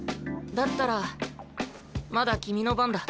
だったらまだ君の番だ。